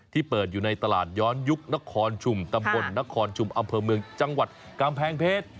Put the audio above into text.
ที่เปิดอยู่ในตลาดย้อนยุคนครฉุมตำรวจนกระแพงเพชร